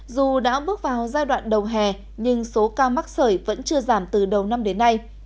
dù đã bước vào giai đoạn đầu hè nhưng số ca mắc sởi vẫn chưa giảm từ đầu năm đến nay